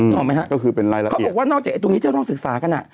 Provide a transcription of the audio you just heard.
เขาบอกว่านอกจากตรงนี้จะต้องศึกษากัน